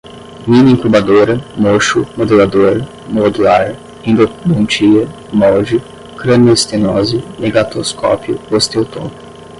mini incubadora, mocho, modelador, modular, endodontia, molde, cranioestenose, negatoscópio, osteotomo